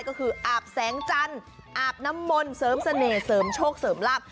ก็คืออาบแสงจันทร์อาบน้ำมนต์เสริมเสน่ห์เสริมโชคเสริมลาบ